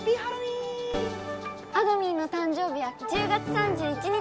あどミンの誕生日は１０月３１日。